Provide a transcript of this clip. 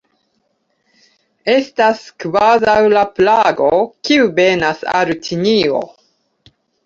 Estas kvazaŭ la plago, kiu venas al Ĉinio.